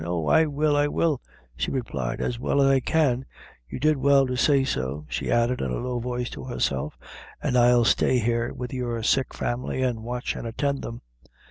"Oh, I will, I will," she replied; "as well as I can; you did well to say so," she added, in a low voice to herself; "an' I'll stay here with your sick family, an' I'll watch an' attend them.